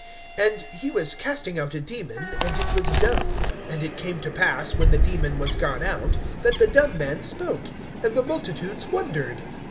(14)And he was casting out a demon, and it was dumb. And it came to pass, when the demon was gone out, that the dumb man spoke; and the multitudes wondered.